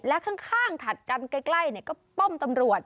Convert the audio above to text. และข้างถัดกันใกล้ก็ป้อมตำรวจ